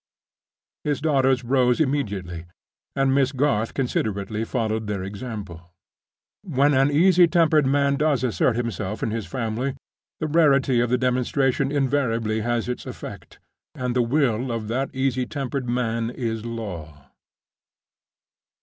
His daughters rose immediately; and Miss Garth considerately followed their example. When an easy tempered man does assert himself in his family, the rarity of the demonstration invariably has its effect; and the will of that easy tempered man is Law.